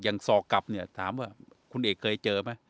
อย่างส่อกลับเนี่ยถามว่าคุณเอกเคยเจอป่ะ